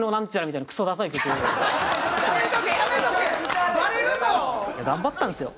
いや頑張ったんですよ。